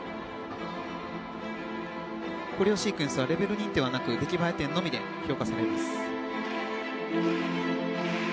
コレオシークエンスはレベル認定はなく出来栄え点のみで評価されます。